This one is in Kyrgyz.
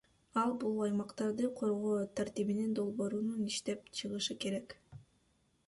Ал бул аймактарды коргоо тартибинин долбоорун иштеп чыгышы керек.